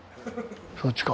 そっちか。